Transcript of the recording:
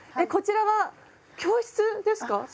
こちらは教室ですか？